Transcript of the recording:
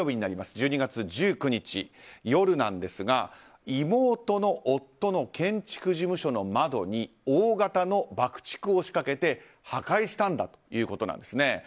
１２月１９日の夜なんですが妹の夫の建築事務所の窓に大型の爆竹を仕掛けて破壊したんだということです。